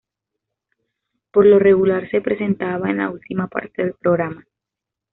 Por lo regular, se presentaba en la última parte del programa.